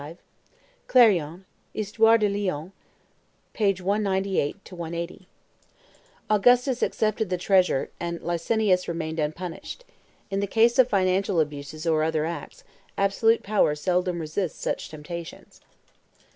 295; Clerjon, Histoire de Lyon, t. i. p. 178 180.) Augustus accepted the treasure, and Licinius remained unpunished. In the case of financial abuses or other acts, absolute power seldom resists such temptations.